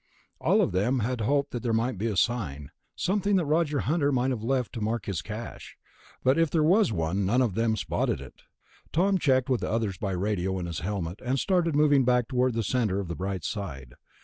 All of them had hoped that there might be a sign, something that Roger Hunter might have left to mark his cache, but if there was one none of them spotted it. Tom checked with the others by the radio in his helmet, and started moving back toward the center of the bright side.